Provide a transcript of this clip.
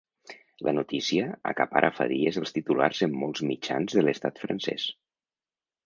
La notícia acapara fa dies els titulars en molts mitjans de l’estat francès.